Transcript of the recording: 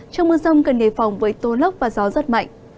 trong mưa rông cần đề phòng với tố lốc và gió giật mạnh